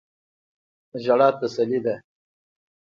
ژړا تسلی ده.